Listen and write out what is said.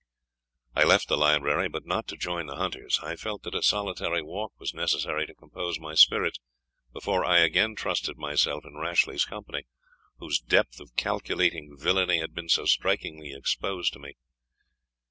I left the library, but not to join the hunters. I felt that a solitary walk was necessary to compose my spirits before I again trusted myself in Rashleigh's company, whose depth of calculating villany had been so strikingly exposed to me.